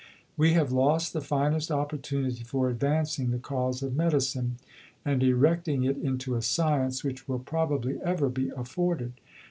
We have lost the finest opportunity for advancing the cause of Medicine and erecting it into a Science which will probably ever be afforded.